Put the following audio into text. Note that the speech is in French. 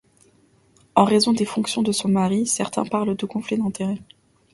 En raison des fonctions de son mari, certains parlent de conflits d'intérêt.